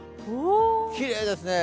きれいですね。